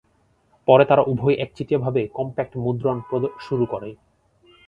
পরে তারা উভয়ই একচেটিয়াভাবে কম্প্যাক্ট মুদ্রণ শুরু করে।